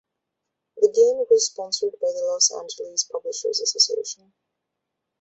The game was sponsored by the Los Angeles Publishers Association.